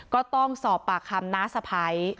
ก็ต้องสอบปากคำนะศพไร